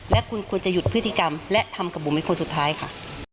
และคุณควรจะหยุดพฤติกรรมและทำกับบุ๋มเป็นคนสุดท้ายค่ะ